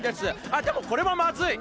あっでもこれはまずい。